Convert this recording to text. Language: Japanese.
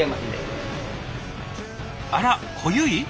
あら濃ゆい？